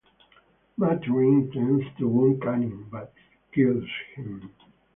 Maturin intends to wound Canning, but kills him.